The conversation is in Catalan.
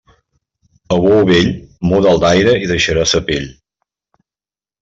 A bou vell, muda'l d'aire i hi deixarà sa pell.